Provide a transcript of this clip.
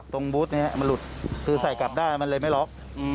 ตรงบูธน่ะมันหลุดคือใส่กลับด้านมันเลยไม่หรอก